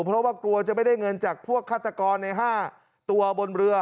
เพราะว่ากลัวจะไม่ได้เงินจากพวกฆาตกรใน๕ตัวบนเรือ